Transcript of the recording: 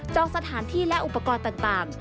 สถานที่และอุปกรณ์ต่าง